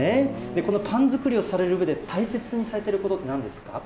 このパン作りをされるうえで大切にされてることってなんですか。